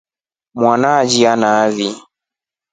Mwana alya nai.